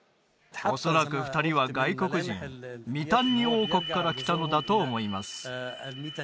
恐らく２人は外国人ミタンニ王国から来たのだと思います